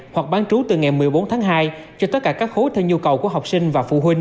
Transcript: hoặc bán trú từ ngày một mươi bốn tháng hai cho tất cả các khối theo nhu cầu của học sinh và phụ huynh